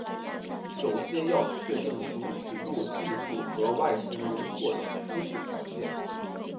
首先要确定主尺度系数和外形轮廓等初始条件。